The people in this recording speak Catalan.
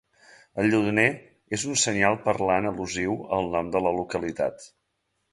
El lledoner és un senyal parlant al·lusiu al nom de la localitat.